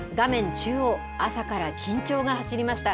中央、朝から緊張が走りました。